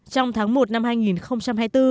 trong tháng một năm hai nghìn hai mươi bốn